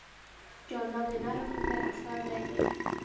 جانداد د نرم فکر استازی دی.